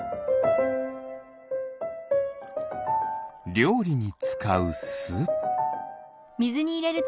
りょうりにつかうす。